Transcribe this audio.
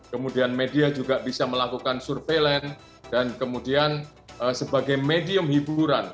kemudian media juga bisa melakukan surveillance dan kemudian sebagai medium hiburan